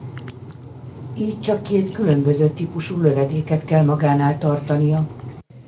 Így csak két különböző típusú lövedéket kell magánál tartania.